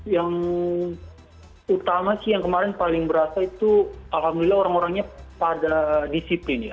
yang utama sih yang kemarin paling berasa itu alhamdulillah orang orangnya pada disiplin ya